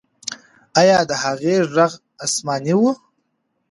آیا د هغې ږغ آسماني و؟